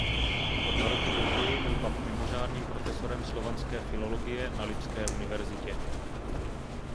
O dva roky později byl pak mimořádným profesorem slovanské filologie na Lipské univerzitě.